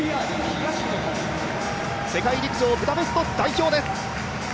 世界陸上ブダペスト代表です。